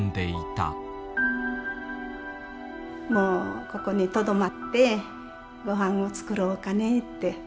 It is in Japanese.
もうここにとどまってごはんを作ろうかねって。